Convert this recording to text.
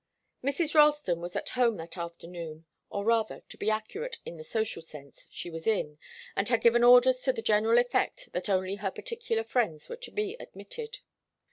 Mrs. Ralston was at home that afternoon, or rather, to be accurate in the social sense, she was in, and had given orders to the general effect that only her particular friends were to be admitted.